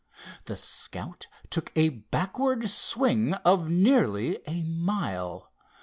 The Scout took a backward swing of nearly a mile.